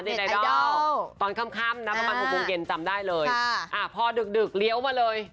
ในไลนดอลตอนค่ำประมาณ๖วงเก็นจำได้เลยพอดึกเลี้ยวมาเลย